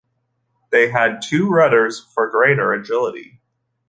They had two rudders for greater agility.